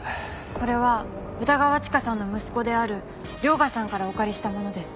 これは歌川チカさんの息子である涼牙さんからお借りしたものです。